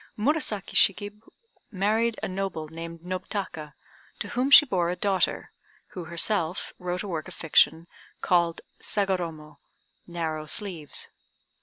Murasaki Shikib married a noble, named Nobtaka, to whom she bore a daughter, who, herself, wrote a work of fiction, called "Sagoromo" (narrow sleeves).